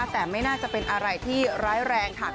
แต่ไม่น่าจะเป็นอะไรที่ร้ายแรงค่ะ